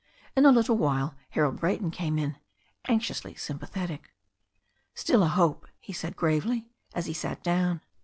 In a little while Harold Brayton came in, anxiously sympathetic. "Still a hope," he said gravely, as he sat down.